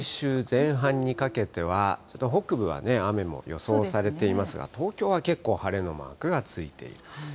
ですから来週前半にかけては、ちょっと北部は雨も予想されていますが、東京は結構晴れのマークがついている。